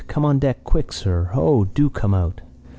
Come on deck quick, sir. Oh, do come out!'